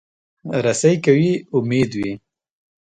رسۍ که وي، امید وي.